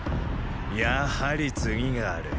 やはり次がある。